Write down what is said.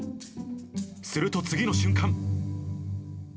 すると次の瞬間。